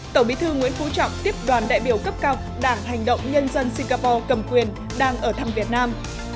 tổng bí thư nguyễn phú trọng tiếp đoàn đại biểu cấp cao đảng hành động nhân dân singapore cầm quyền đang ở thăm việt nam